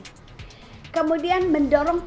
kemudian mendorong peningkatan keamanan dan efisiensi